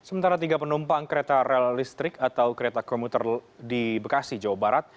sementara tiga penumpang kereta rel listrik atau kereta komuter di bekasi jawa barat